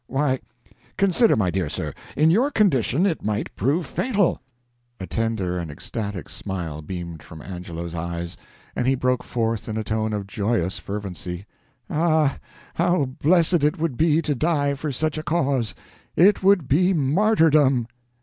"Why, consider, my dear sir, in your condition it might prove fatal." A tender and ecstatic smile beamed from Angelo's eyes, and he broke forth in a tone of joyous fervency: "Ah, how blessed it would be to die for such a cause it would be martyrdom!"